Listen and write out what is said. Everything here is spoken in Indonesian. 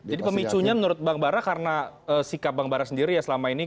jadi pemicunya menurut bang bara karena sikap bang bara sendiri ya selama ini